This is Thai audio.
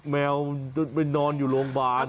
แมวจะไปนอนอยู่โรงบาล